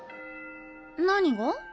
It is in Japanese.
何が？